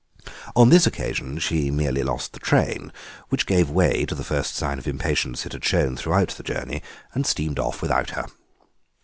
On this occasion she merely lost the train, which gave way to the first sign of impatience it had shown throughout the journey, and steamed off without her.